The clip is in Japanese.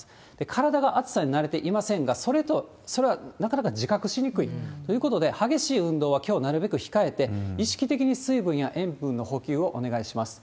体が暑さに慣れていませんが、それはなかなか自覚しにくいということで、激しい運動はきょう、なるべく控えて、意識的に水分や塩分の補給をお願いします。